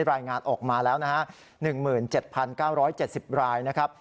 รายงานออกมาแล้วนะฮะ๑๗๙๗๐รายนะครับ